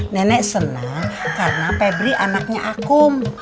nenek senang karena pebri anaknya akum